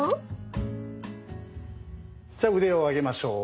じゃあ腕を上げましょう。